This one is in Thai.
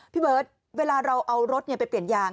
พี่เบิร์ตเวลาเราเอารถไปเปลี่ยนยาง